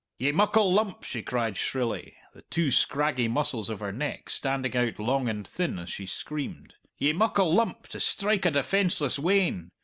"Ye muckle lump!" she cried shrilly, the two scraggy muscles of her neck standing out long and thin as she screamed; "ye muckle lump to strike a defenceless wean!